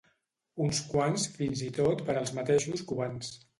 Uns quants fins i tot per als mateixos cubans.